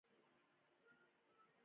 دا چلونه مو پر ما نه چلېږي.